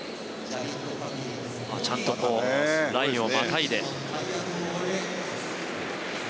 ちゃんとこうラインをまたいで。